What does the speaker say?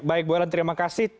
baik bu ellen terima kasih